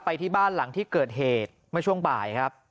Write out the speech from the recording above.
ที่บ้านหลังที่เกิดเหตุเมื่อช่วงบ่ายครับ